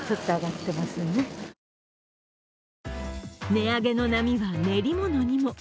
値上げの波は、練り物にも。